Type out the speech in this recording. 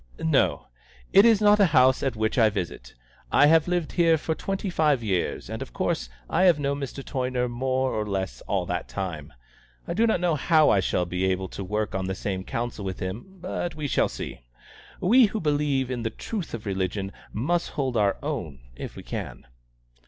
"No; it is not a house at which I visit. I have lived here for twenty five years, and of course I have known Mr. Toyner more or less all that time. I do not know how I shall be able to work on the same Council with him; but we shall see. We, who believe in the truth of religion, must hold our own if we can."